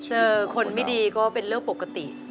เจอคนไม่ดีก็เป็นเรื่องปกติ